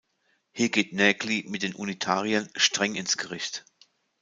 Hier geht Naegeli mit den Unitariern „streng ins Gericht“.